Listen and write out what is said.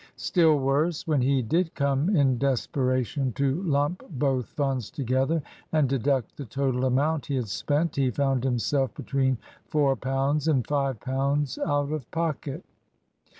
Still worse, when he did come in desperation to lump both funds together, and deduct the total amount he had spent, he found himself between £4 and £5 out of pocket!